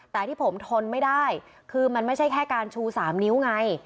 แต่ที่ผมทนไม่ได้คือมันไม่ใช่แค่การชู๓นิ้วไง